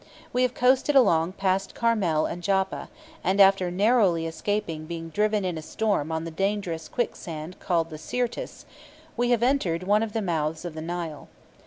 We have coasted along past Carmel and Joppa, and, after narrowly escaping being driven in a storm on the dangerous quicksand called the Syrtis, we have entered one of the mouths of the Nile.